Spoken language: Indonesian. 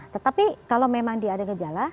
tetapi kalau memang dia ada gejala